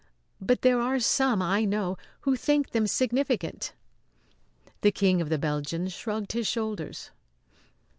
But there are some, I know, who think them significant." The King of the Belgians shrugged his shoulders.